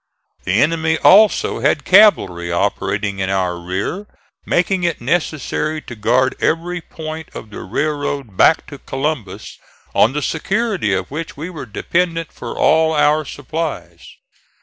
The enemy also had cavalry operating in our rear, making it necessary to guard every point of the railroad back to Columbus, on the security of which we were dependent for all our supplies.